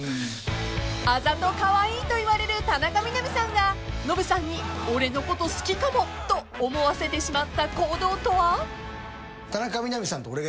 ［あざとカワイイといわれる田中みな実さんがノブさんに俺のこと好きかも？と思わせてしまった行動とは？］